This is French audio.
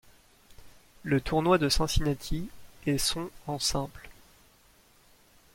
Le tournoi de Cincinnati est son en simple.